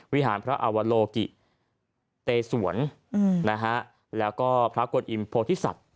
วิหารพระอวโลกิเตสวนแล้วก็พระกวนอิมโพธิสัตว